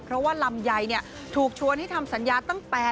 เพราะว่าลำไยถูกชวนให้ทำสัญญาตั้งแต่